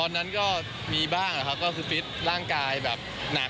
ร่างกายหนักค่อนข้างหนัก